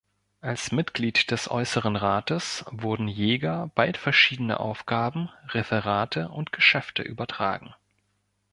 Als Mitglied des Äußeren Rates wurden Jäger bald verschiedene Aufgaben, Referate und Geschäfte übertragen.